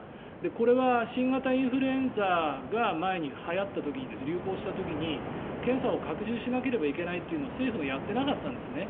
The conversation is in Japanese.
これは新型インフルエンザが前にはやった時、流行した時に検査を拡充しなければいけないというのを政府がやっていなかったんですね。